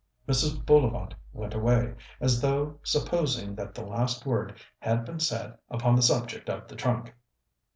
Mrs. Bullivant went away, as though supposing that the last word had been said upon the subject of the trunk.